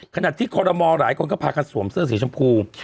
ขณะที่คอรมอหลายคนก็พากันสวมเสื้อสีชมพู